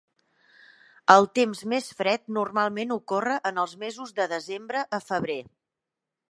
El temps més fred normalment ocorre en els mesos de desembre a febrer.